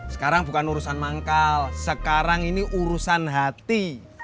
sekarang bukan urusan manggal sekarang ini urusan hati